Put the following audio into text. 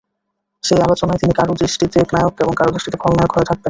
সেই আলোচনায় তিনি কারও দৃষ্টিতে নায়ক এবং কারও দৃষ্টিতে খলনায়ক হয়ে থাকবেন।